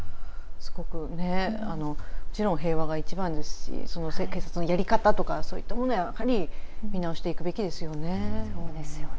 もちろん平和が一番ですし警察のやり方とかそういったものは見直していくべきですよね。